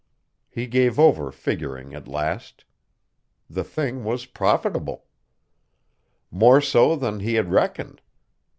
He gave over figuring at last. The thing was profitable. More so than he had reckoned.